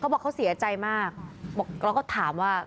บอกเขาเสียใจมากบอกแล้วก็ถามว่า